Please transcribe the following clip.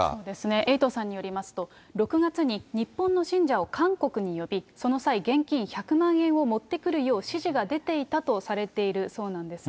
エイトさんによりますと、６月に日本の信者を韓国に呼び、その際、現金１００万円を持って来るよう指示が出ていたとされているそうなんです。